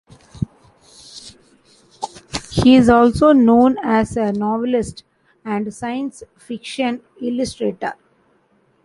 He is also known as a novelist and science fiction illustrator.